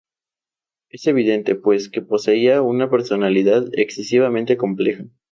Es evidente, pues, que poseía una personalidad excesivamente compleja.